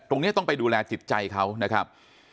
ตรงนี้ต้องไปดูแลจิตใจเขานะครับ